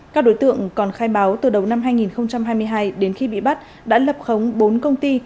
các đối tượng còn khai báo từ đầu năm hai nghìn hai mươi hai đến khi bị bắt đã lập khống bốn công ty